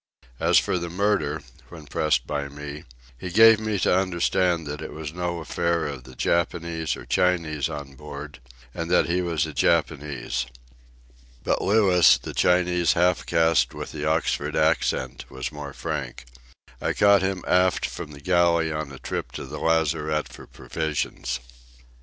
As for the murder, when pressed by me, he gave me to understand that it was no affair of the Japanese or Chinese on board, and that he was a Japanese. But Louis, the Chinese half caste with the Oxford accent, was more frank. I caught him aft from the galley on a trip to the lazarette for provisions.